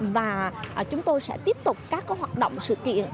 và chúng tôi sẽ tiếp tục các hoạt động sự kiện